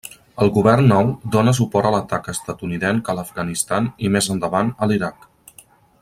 El govern nou dóna suport a l'atac estatunidenc a l'Afganistan i més endavant a Iraq.